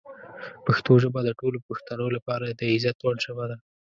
پښتو ژبه د ټولو پښتنو لپاره د عزت وړ ژبه ده.